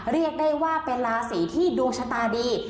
เรียกได้ว่าเป็นราศีที่ดวงชะตาดี